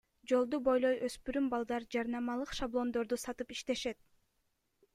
Жолду бойлой өспүрүм балдар жарнамалык шаблондорду сатып иштешет.